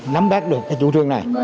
nắm bát được chủ trương này